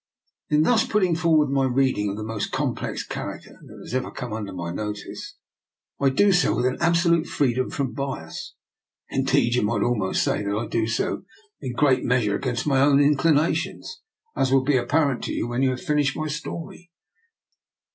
In thus putting forward my reading of the most complex character that has ever come under my notice, I do so with an absolute freedom from bias. Indeed, I might almost say, that I do so in a great measure against my own in clinations, as will be apparent to you when you have finished my story.